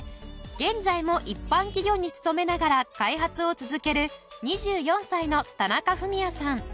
現在も一般企業に勤めながら開発を続ける２４歳の田中郁也さん。